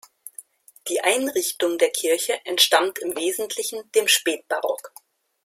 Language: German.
Die Einrichtung der Kirche entstammt im Wesentlichen dem Spätbarock.